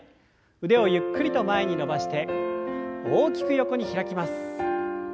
腕をゆっくりと前に伸ばして大きく横に開きます。